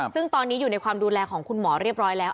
ซึ่งตอนนี้อยู่ในความดูแลของคุณหมอเรียบร้อยแล้ว